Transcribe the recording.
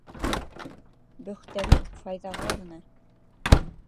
Бөхтәлек файҙаға ғына...